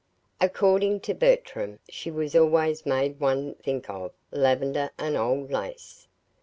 According to Bertram she always made one think of "lavender and old lace."